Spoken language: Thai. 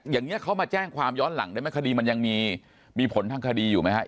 อย่างนี้เขามาแจ้งความย้อนหลังได้ไหมคดีมันยังมีผลทางคดีอยู่ไหมครับ